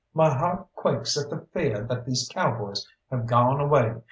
"My heart quakes at the feah that these cowboys have gawn away.